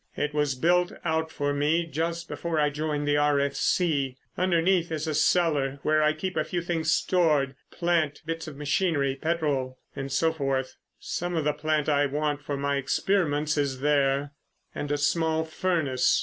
It was built out for me just before I joined the R.F.C. Underneath it is a cellar where I keep a few things stored—plant, bits of machinery, petrol, and so forth. Some of the plant I want for my experiments is there and a small furnace.